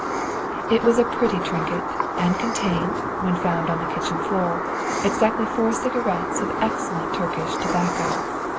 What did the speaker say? It was a pretty trinket, and contained, when found on the kitchen floor, exactly four cigarettes of excellent Turkish tobacco.